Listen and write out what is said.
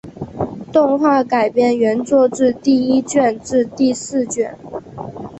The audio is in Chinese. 动画改编原作自第一卷至第四卷。